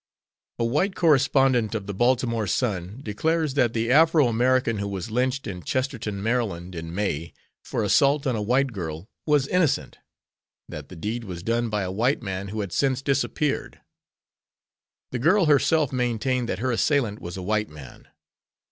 A white correspondent of the Baltimore Sun declares that the Afro American who was lynched in Chestertown, Md., in May for assault on a white girl was innocent; that the deed was done by a white man who had since disappeared. The girl herself maintained that her assailant was a white man.